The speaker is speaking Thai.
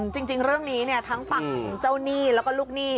จริงเรื่องนี้ทั้งฝั่งเจ้าหนี้แล้วก็ลูกหนี้